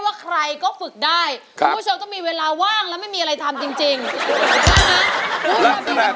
ให้ขออีกทีใช่ไหมครับ